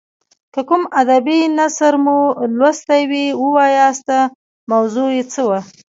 که کوم ادبي نثر مو لوستی وي ووایاست موضوع یې څه وه.